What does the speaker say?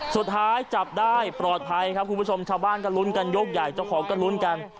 สุดท้ายจับได้ปลอดภัยครับคุณผู้ชมชาวบ้านก็ลุ้นกันยกใหญ่เจ้าของก็ลุ้นกัน